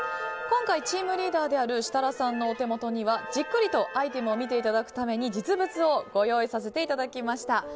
今回、チームリーダーである設楽さんのお手元にはじっくりとアイテムを見ていただくために実物をご用意させていただきました。